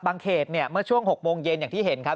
เขตเนี่ยเมื่อช่วง๖โมงเย็นอย่างที่เห็นครับ